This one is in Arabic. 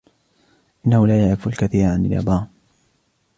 إنه لا يعرف الكثير عن اليابان.